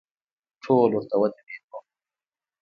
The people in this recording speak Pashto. ټول ورته ودریدو.